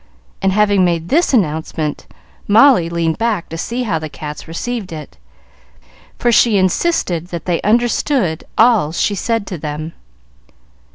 and, having made this announcement, Molly leaned back to see how the cats received it, for she insisted that they understood all she said to them.